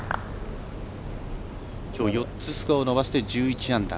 きょう４つスコアを伸ばして１１アンダー。